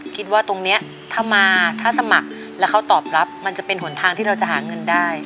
คิดว่าตรงนี้ถ้ามาถ้าสมัครแล้วเขาตอบรับมันจะเป็นหนทางที่เราจะหาเงินได้